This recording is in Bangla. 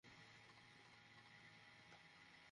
ব্যাকআপ গাড়িটা ব্রিজের নিচে পার্ক করা উচিত ছিল, ভাই।